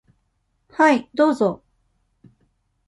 はい、どうぞ。